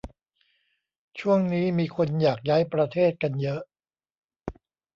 ช่วงนี้มีคนอยากย้ายประเทศกันเยอะ